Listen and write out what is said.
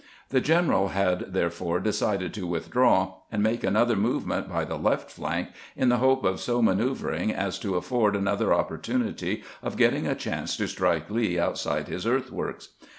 The general had therefore decided to withdraw, and make another movement by the left flank, in the hope of so manoeuvering as to afford another opportunity of getting a chance to strike Lee outside his earthworks.